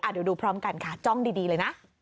เดี๋ยวดูพร้อมกันค่ะจ้องดีเลยนะ